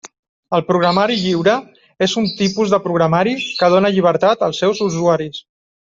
El programari lliure és un tipus de programari que dóna llibertat als seus usuaris.